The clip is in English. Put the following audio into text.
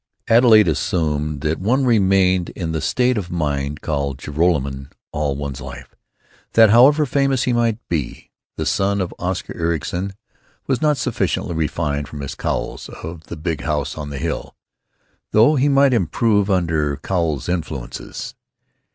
Adelaide assumed that one remained in the state of mind called Joralemon all one's life; that, however famous he might be, the son of Oscar Ericson was not sufficiently refined for Miss Cowles of the Big House on the Hill, though he might improve under Cowles influences.